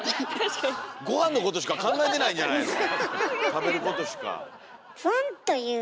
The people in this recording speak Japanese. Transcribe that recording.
食べることしか。